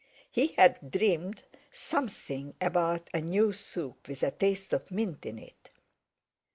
He had dreamed something about a new soup, with a taste of mint in it.